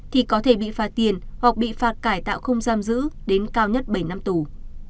thì có thể bị phạt tiền hoặc bị phạt cải tạo không giam giữ đến cao nhất bảy năm tù